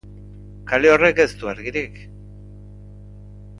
Kale horrek ez du argirik.